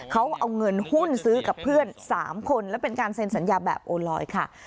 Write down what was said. เขาเอาเงินหุ้นซื้อกับเพื่อน๓คนและเป็นการเซ็นสัญญาแบบโอลอยค่ะ